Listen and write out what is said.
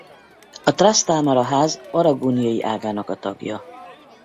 A Trastámara-ház aragóniai ágának a tagja.